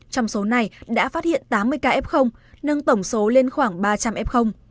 trong số này đã phát hiện tám mươi ca f nâng tổng số lên khoảng ba trăm linh f